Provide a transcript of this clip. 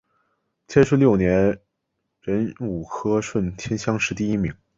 天顺六年壬午科顺天乡试第一名。